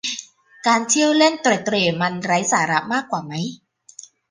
การเที่ยวเล่นเตร็ดเตร่มันไร้สาระมากว่าไหม